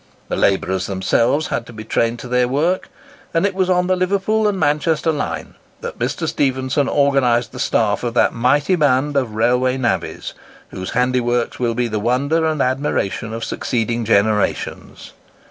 The labourers themselves had to be trained to their work; and it was on the Liverpool and Manchester line that Mr. Stephenson organised the staff of that mighty band of railway navvies, whose handiworks will be the wonder and admiration of succeeding generations.